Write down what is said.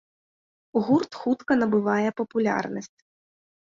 Гурт хутка набывае папулярнасць.